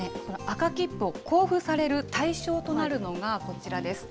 赤切符を交付される対象となるのがこちらです。